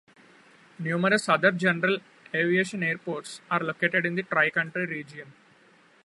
Numerous other general aviation airports are located in the tri-county region.